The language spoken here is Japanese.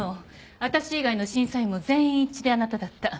私以外の審査員も全員一致であなただった。